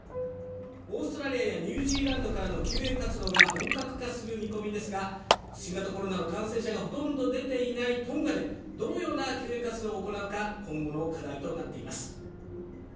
オーストラリアやニュージーランドからの救援活動が本格化する見込みですが、新型コロナウイルスの感染者がほとんど出ていないトンガでどのような救援活動を行うのか今後の課題となっています。